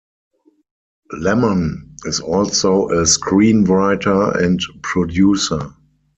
Lemmon is also a screenwriter and producer.